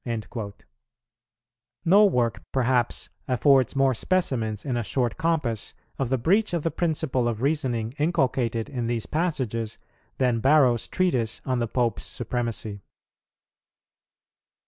"[109:2] No work perhaps affords more specimens in a short compass of the breach of the principle of reasoning inculcated in these passages, than Barrow's Treatise on the Pope's Supremacy.